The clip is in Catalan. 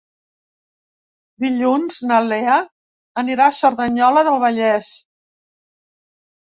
Dilluns na Lea anirà a Cerdanyola del Vallès.